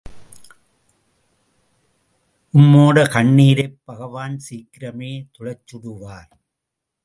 உம்மோட கண்ணீரைப் பகவான் சீக்கிரமே துடைச்சுடுவார்.